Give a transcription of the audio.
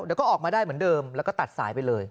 เดี๋ยวก็ออกมาได้เหมือนเดิมแล้วก็ตัดสายไปเลย